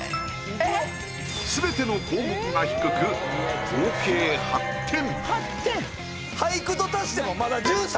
すべての項目が低く合計８点。